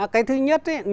cái thứ nhất nâng cao